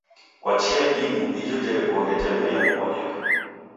Kwa chia imu ijo jerekoghe jameria kubonyeka.